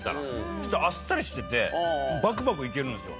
そしたらあっさりしててバクバクいけるんですよ。